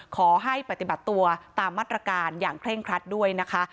ขอให้ปฏิบัติตัวตามมาตรการอย่างเคร่งครัดด้วยนะคะ